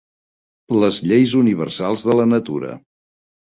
Les lleis universals de la natura.